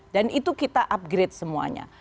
dan itu kita upgrade semuanya